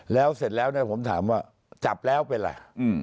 แล้วเสร็จแล้วผมถามว่าจับแล้วเป็นอะไร